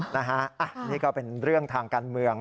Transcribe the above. นี่ก็เป็นเรื่องทางการเมือง